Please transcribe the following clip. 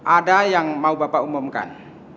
ada yang mau bapak umumkan